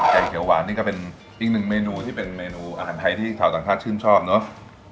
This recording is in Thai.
เขียวหวานนี่ก็เป็นอีกหนึ่งเมนูที่เป็นเมนูอาหารไทยที่ชาวต่างชาติชื่นชอบเนอะ